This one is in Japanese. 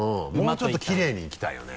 もうちょっときれいにいきたいよね。